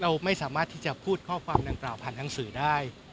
เราไม่สามารถที่จะพูดข้อความดังกล่าวผ่านทางสื่อได้